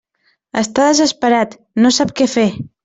Està desesperat, no sap què fer.